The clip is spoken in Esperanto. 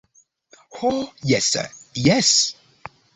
Ho jes, jes.